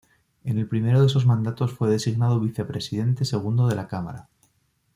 En el primero de esos mandatos fue designado vicepresidente segundo de la Cámara.